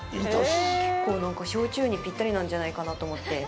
結構、焼酎にぴったりなんじゃないかなと思って。